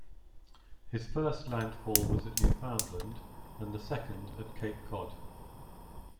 His first landfall was at Newfoundland and the second at Cape Cod.